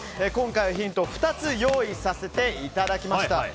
今回のヒント２つ用意させていただきました。